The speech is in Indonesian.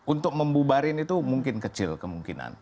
untuk membubarin itu mungkin kecil kemungkinan